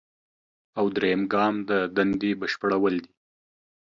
او دریم ګام د دندې بشپړول دي.